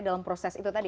dalam proses itu tadi